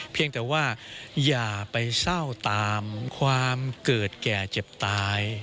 เพียงแต่ว่าอย่าไปเศร้าตามความเกิดแก่เจ็บตาย